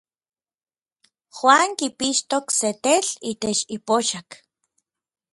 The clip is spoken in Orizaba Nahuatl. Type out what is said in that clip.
Juan kipixtok se tetl itech ipoxak.